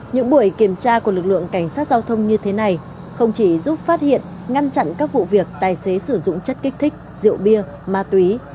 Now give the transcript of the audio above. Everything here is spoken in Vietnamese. những buổi kiểm tra của lực lượng cảnh sát giao thông như thế này không chỉ giúp phát hiện ngăn chặn các vụ việc tài xế sử dụng chất kích thích rượu bia ma túy